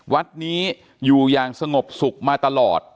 วัดนี้อยู่อย่างสงบสุขมาตลอด